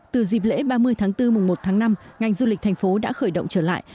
từ dịp lễ ba mươi tháng bốn mùng một tháng năm ngành du lịch thành phố đã khởi động trở lại